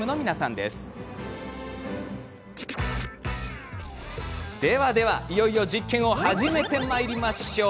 では、いよいよ実験始めてまいりましょう。